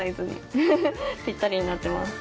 ぴったりになってます。